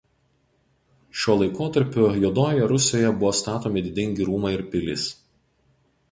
Šiuo laikotarpiu Juodojoje Rusioje buvo statomi didingi rūmai ir pilys.